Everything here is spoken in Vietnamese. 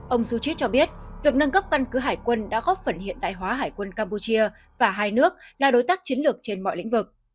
ông suchit cho biết việc nâng cấp căn cứ hải quân đã góp phần hiện đại hóa hải quân campuchia và hai nước là đối tác chiến lược trên mọi lĩnh vực